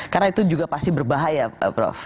karena itu juga pasti berbahaya prof